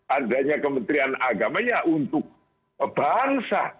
adanya kementerian agama ya untuk bangsa